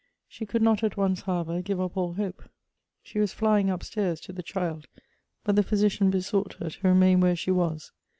She could not at once, however, give up all hope. She ^Ya.s 282 Goethb's flying up stairs to the child, but the physician besought her to remain where she was.